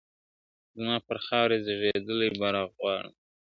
زما پر خاوره زېږېدلی بیرغ غواړم !.